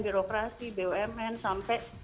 birokrasi bumn sampai multinasional